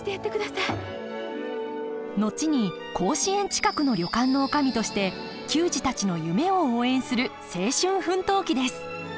後に甲子園近くの旅館の女将として球児たちの夢を応援する青春奮闘記です。